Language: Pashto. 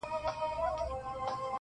چي هر چا ته وي دولت وررسېدلی -